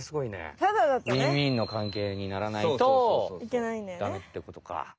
ウィンウィンの関係にならないとダメってことか。